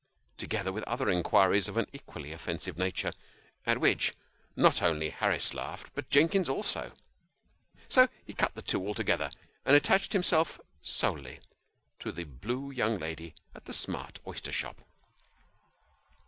" together with other inquiries of an equally offensive nature : at which not only Harris laughed, but Jennings also ; so, he cut the two, alto gether, and attached himself solely to the blue young lady at the smart oyster shop.